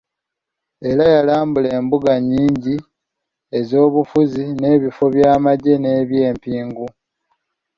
Era yalambula embuga nnyingi ez'obufuzi, n'ebifo by'amagye n'ebyempingu.